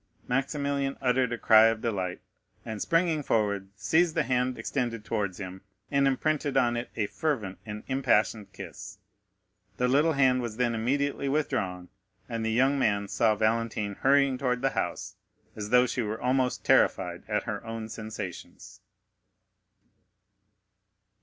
Maximilian uttered a cry of delight, and, springing forwards, seized the hand extended towards him, and imprinted on it a fervent and impassioned kiss. The little hand was then immediately withdrawn, and the young man saw Valentine hurrying towards the house, as though she were almost terrified at her own sensations.